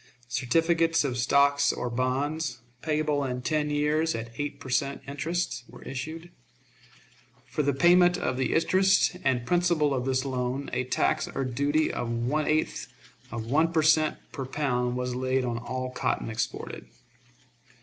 Certificates of stock or bonds, payable in ten years at eight per cent. interest, were issued. For the payment of the interest and principal of this loan a tax or duty of one eighth of one per cent. per pound was laid on all cotton exported.